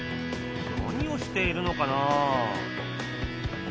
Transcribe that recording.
何をしているのかなあ？